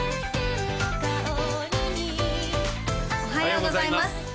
おはようございます